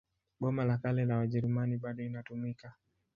Boma la Kale la Wajerumani bado inatumika.